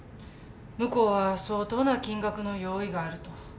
向こうは相当な金額の用意があると。